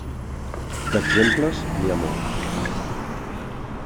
D'exemples n'hi ha molts.